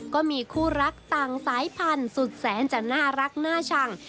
ก็มีคู่รักต่างสายพันธุ์สุดแสนจะน่ารักน่าชัง